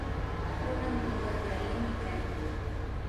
Kunan punllapi allimi kani